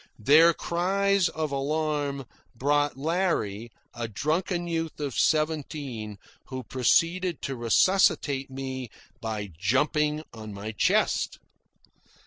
Their cries of alarm brought Larry, a drunken youth of seventeen, who proceeded to resuscitate me by jumping on my chest.